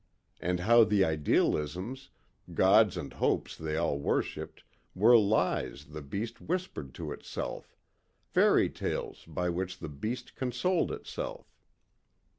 And how the idealisms, Gods and hopes they all worshipped were lies the beast whispered to itself, fairy tales by which the beast consoled itself.